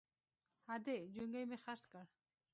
_ادې! جونګی مې خرڅ کړ!